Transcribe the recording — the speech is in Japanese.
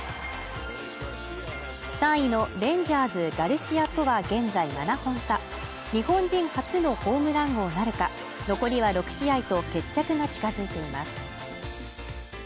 ３位のレンジャーズ・ガルシアとは現在７本差日本人初のホームラン王なるか残りは６試合と決着が近づいています